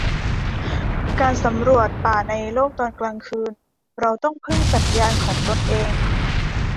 การสำรวจป่าในโลก ตอนกลางคืน เราต้องพึ่งสัญญาณของตนเอง